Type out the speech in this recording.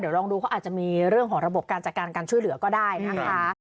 เดี๋ยวลองดูเขาอาจจะมีเรื่องของระบบการจัดการการช่วยเหลือก็ได้นะคะ